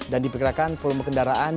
dan diperkirakan volume kendaraan